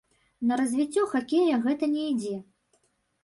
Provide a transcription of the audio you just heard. На развіццё хакея гэта не ідзе.